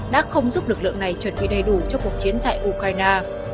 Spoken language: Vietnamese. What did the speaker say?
đã không giúp lực lượng này chuẩn bị đầy đủ cho cuộc chiến tại ukraine